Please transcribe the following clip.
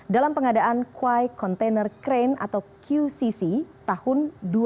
dalam pengadaan kuai container crane atau qcc tahun dua ribu sepuluh